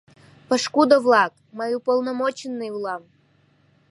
— Пошкудо-влак, мый уполномоченный улам!